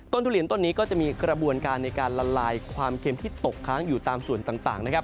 ทุเรียนต้นนี้ก็จะมีกระบวนการในการละลายความเค็มที่ตกค้างอยู่ตามส่วนต่างนะครับ